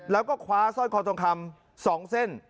แล้วก็คว้าซ่อตอนตรงคำสองเส้น